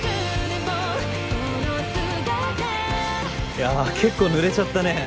いや結構ぬれちゃったね。